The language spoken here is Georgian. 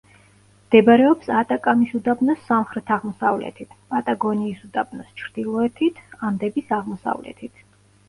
მდებარეობს ატაკამის უდაბნოს სამხრეთ-აღმოსავლეთით, პატაგონიის უდაბნოს ჩრდილოეთით, ანდების აღმოსავლეთით.